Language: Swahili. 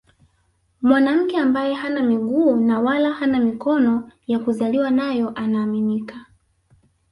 Mwanamke ambaye hana miguu na wala hana mikono ya kuzaliwa nayo anaaminika